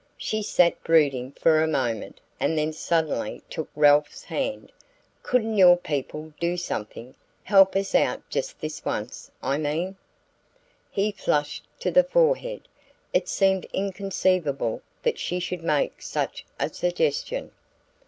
She sat brooding for a moment and then suddenly took Ralph's hand. "Couldn't your people do something help us out just this once, I mean?" He flushed to the forehead: it seemed inconceivable that she should make such a suggestion.